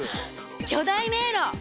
巨大迷路！